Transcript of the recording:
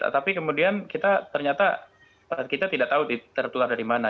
tapi kemudian kita ternyata kita tidak tahu tertular dari mana